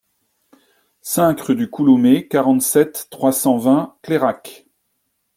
cinq rue du Couloumé, quarante-sept, trois cent vingt, Clairac